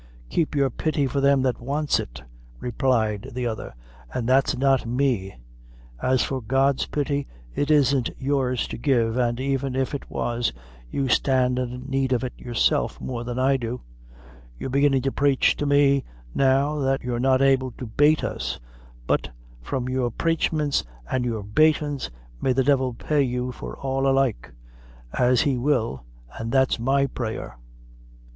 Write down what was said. "Keep your pity for them that wants it," replied the other, "an' that's not me. As for God's pity, it isn't yours to give, and even if it was, you stand in need of it yourself more than I do. You're beginning to praich to us now that you're not able to bait us; but for your praichments an' your baitins, may the divil pay you for all alike! as he will an' that's my prayer."